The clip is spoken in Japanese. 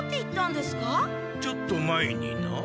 ちょっと前にな。